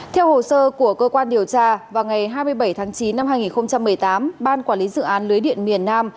theo hồ sơ của cơ quan điều tra vào ngày hai mươi bảy tháng chín năm hai nghìn một mươi tám ban quản lý dự án lưới điện miền nam